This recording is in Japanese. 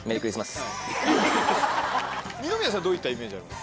二宮さんはどういったイメージありますか？